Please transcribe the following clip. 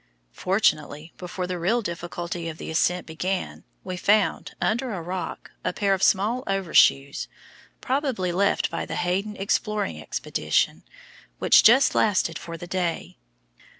Fortunately, before the real difficulty of the ascent began, we found, under a rock, a pair of small overshoes, probably left by the Hayden exploring expedition, which just lasted for the day.